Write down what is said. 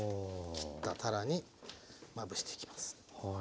切ったたらにまぶしていきます。